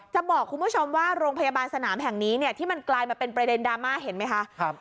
จะบอกคุณผู้ชมว่าโรงพยาบาลสนามแห่งนี้เนี่ยที่มันกลายมาเป็นประเด็นดราม่าเห็นไหมคะ